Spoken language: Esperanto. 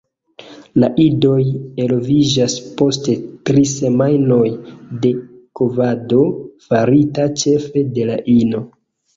La idoj eloviĝas post tri semajnoj de kovado farita ĉefe de la ino.